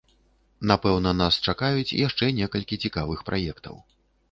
Напэўна, нас чакаюць яшчэ некалькі цікавых праектаў!